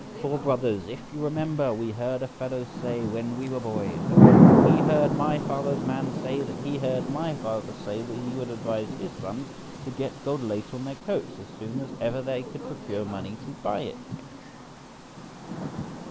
For, brothers, if you remember, we heard a fellow say when we were boys that he heard my father's man say that he heard my father say that he would advise his sons to get gold lace on their coats as soon as ever they could procure money to buy it."